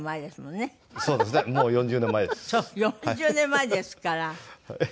４０年前ですから。